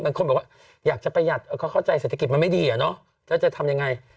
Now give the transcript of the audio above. คนบอกว่าอยากจะประหยัดเขาเข้าใจเศรษฐกิจมันไม่ดีอะเนาะแล้วจะทำยังไง